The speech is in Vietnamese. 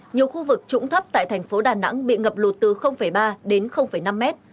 nhiều khu vực trũng thấp tại thành phố đà nẵng bị ngập lụt từ ba đến năm mét